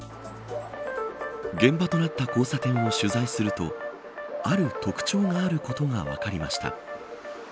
現場となった交差点を取材するとある特徴があることが分かりました。